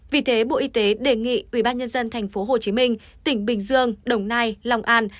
vì thế bộ y tế đề nghị ubnd tp hcm tỉnh bình dương đồng nai long an